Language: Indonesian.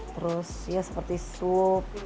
terus ya seperti sup